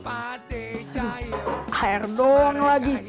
aduh air doang lagi